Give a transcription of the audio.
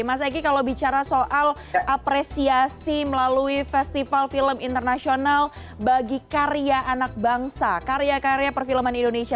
mas egy kalau bicara soal apresiasi melalui festival film internasional bagi karya anak bangsa karya karya perfilman indonesia